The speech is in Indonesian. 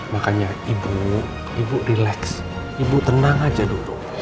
makanya ibu ibu relax ibu tenang aja dulu